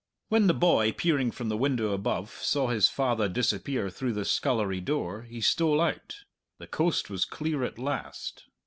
When the boy, peering from the window above, saw his father disappear through the scullery door, he stole out. The coast was clear at last.